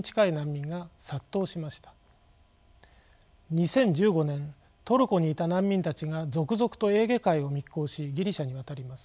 ２０１５年トルコにいた難民たちが続々とエーゲ海を密航しギリシャに渡ります。